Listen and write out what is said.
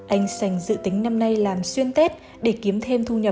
anh sành dự tính năm nay làm xuyên tết